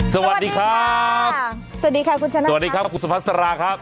สวัสดีครับสวัสดีค่ะคุณชนะสวัสดีครับคุณสุพัสราครับ